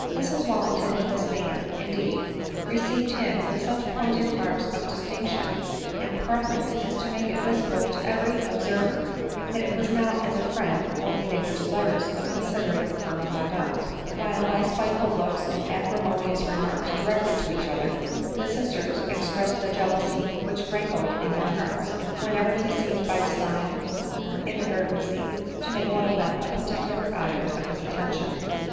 Mrs Wallington and Miss Maynard, indeed, received him with such pointed marks of distinction and prefer ence, as to make it visible to every observer that it was not as a friend only they were desirous of considering Colonel Mordaunt ; while, by spiteful looks and acrimo nious remarks directed to each other, the sisters express ed the jealousy which rankled in their hearts, whenever he seemed by design or inadvertency to make one of them aparticular object of his attention.